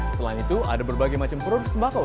selain itu ada berbagai macam produk sembako